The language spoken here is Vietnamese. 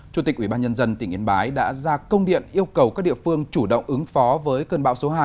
chủ tịch ubnd tỉnh yên bái đã ra công điện yêu cầu các địa phương chủ động ứng phó với cơn bão số hai